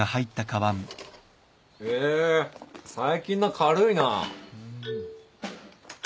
へぇ最近のは軽いなぁ。